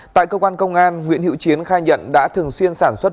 tại cơ quan công an nguyễn hữu chiến khai nhận đã thường xuyên sản xuất